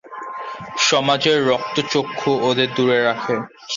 সমাজের রক্ত চক্ষু ওদের দুরে রাখে।